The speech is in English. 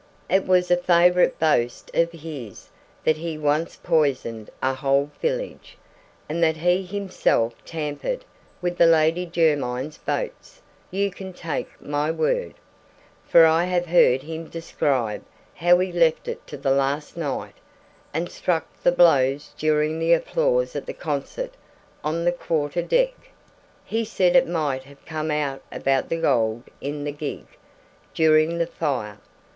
It was a favorite boast of his that he once poisoned a whole village; and that he himself tampered with the Lady Jermyn's boats you can take my word, for I have heard him describe how he left it to the last night, and struck the blows during the applause at the concert on the quarter deck. He said it might have come out about the gold in the gig, during the fire.